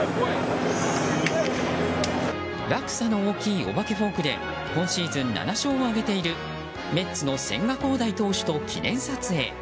落差の大きいお化けフォークで今シーズン７勝を挙げているメッツの千賀滉大選手と記念撮影。